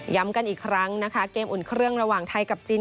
กันอีกครั้งนะคะเกมอุ่นเครื่องระหว่างไทยกับจีน